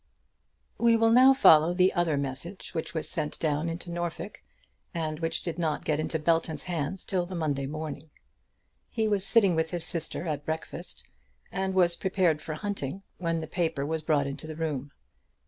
We will now follow the other message which was sent down into Norfolk, and which did not get into Belton's hands till the Monday morning. He was sitting with his sister at breakfast, and was prepared for hunting, when the paper was brought into the room.